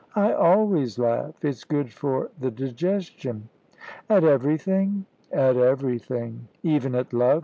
"I always laugh. It's good for the digestion." "At everything?" "At everything." "Even at love?"